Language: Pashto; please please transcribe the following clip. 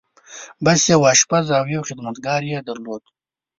بس! يو آشپز او يو خدمتګار يې درلود.